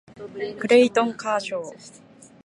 クレイトン・カーショー